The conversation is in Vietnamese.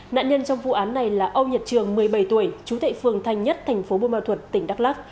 nạn nhân trong vụ án này là ông nhật trường một mươi bảy tuổi chú tệ phương thanh nhất tp bộ ma thuật tp đắc lắc